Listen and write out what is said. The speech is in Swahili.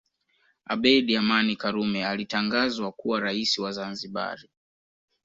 Abedi Amani Karume alitangazwa kuwa rais wa Zanzibari